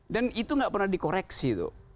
dan itu gak pernah dikoreksi